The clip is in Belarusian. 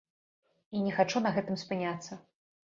І не хачу на гэтым спыняцца.